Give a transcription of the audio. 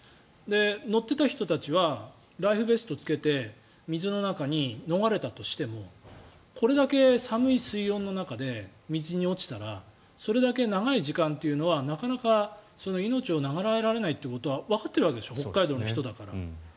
乗ってた人たちはライフベストを着けて水の中に逃れたとしてもこれだけ寒い水温の中で水に落ちたらそれだけ長い時間というのはなかなか命を永らえられないということはわかっているわけでしょ北海道の人だから。